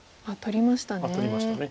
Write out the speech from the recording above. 取りましたね。